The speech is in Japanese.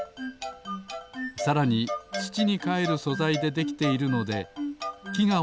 さらにつちにかえるそざいでできているのできがおおきくのびた